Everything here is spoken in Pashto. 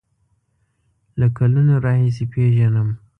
له کلونو راهیسې پیژنم.